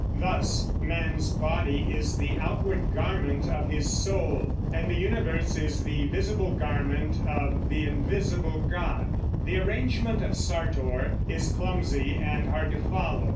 Thus, man's body is the outward garment of his soul, and the universe is the visible garment of the invisible God. The arrangement of Sartor is clumsy and hard to follow.